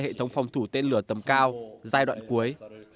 hệ thống phòng thủ tên lửa tầm cao giai đoạn cuối